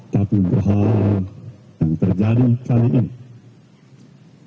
tapi hal yang terjadi kali ini